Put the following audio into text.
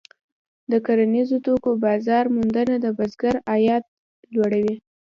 د کرنیزو توکو بازار موندنه د بزګر عاید لوړوي.